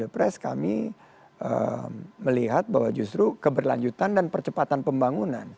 pres kami melihat bahwa justru keberlanjutan dan percepatan pembangunan